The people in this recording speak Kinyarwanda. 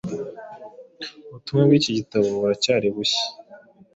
Ubutumwa bw’iki gitabo buracyari bushya,